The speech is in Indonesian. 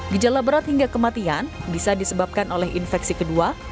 gejala berat hingga kematian bisa disebabkan oleh infeksi kedua